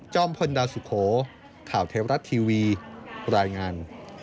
พลดาวสุโขข่าวเทวรัฐทีวีรายงาน